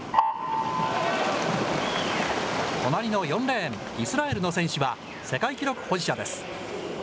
隣の４レーン、イスラエルの選手は、世界記録保持者です。